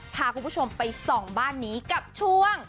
พาคุณผู้ชมไปส่องบ้านนี้กับช่วง